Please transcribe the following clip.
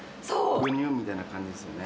むにゅうみたいな感じですよね。